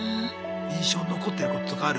印象に残ってることとかある？